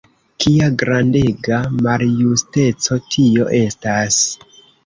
Kia grandega maljusteco tio estas!